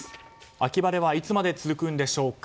秋晴れはいつまで続くんでしょうか。